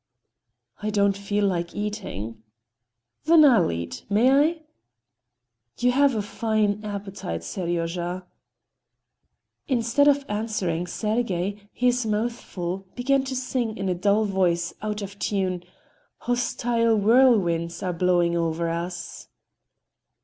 "I don't feel like eating." "Then I'll eat it. May I?" "You have a fine appetite, Seryozha." Instead of answering, Sergey, his mouth full, began to sing in a dull voice, out of tune: "Hostile whirlwinds are blowing over us..."